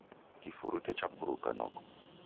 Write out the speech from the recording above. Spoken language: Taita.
Kifurute chapuruka noko.